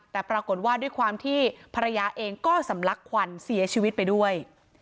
แต่ปรากฏว่าด้วยความที่ภรรยาเองก็สำลักควันเสียชีวิตไปด้วย